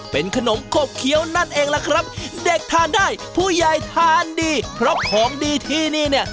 เป็นขนมขบเคี้ยวนั่นเองล่ะครับเด็กทานได้ผู้ใหญ่ทานดีเพราะของดีที่นี่เนี่ย